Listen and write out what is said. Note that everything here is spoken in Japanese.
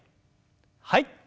はい。